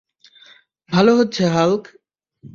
ভালো হচ্ছে, হাল্ক!